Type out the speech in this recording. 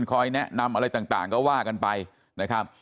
คอยแนะนำอะไรต่างก็ว่ากันไปนะครับ